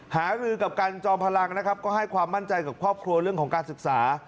หารือกับกันจอมพลังนะครับก็ให้ความมั่นใจกับครอบครัวเรื่องของการศึกษา